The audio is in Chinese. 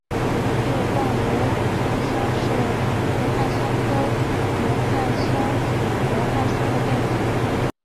柱冠罗汉松是罗汉松科罗汉松属罗汉松的变种。